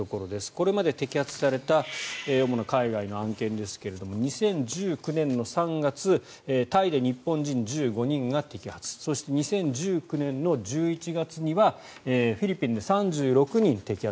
これまで摘発された主な海外の案件ですが２０１９年３月タイで日本人１５人が摘発そして、２０１９年１１月にはフィリピンで３６人摘発。